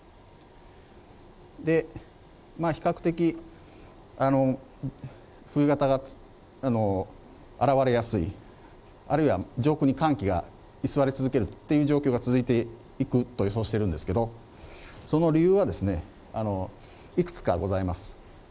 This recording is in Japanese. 比較的、冬型が現れやすい、あるいは上空に寒気が居座り続けるという状況が続いていくと予想しているんですけれども、その理由はですね、いくつかございます。